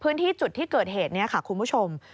พื้นที่จุดที่เกิดเหตุนี้ค่ะคุณผู้ชม